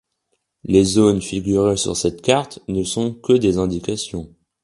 Les zones figurées sur cette carte ne sont que des indications.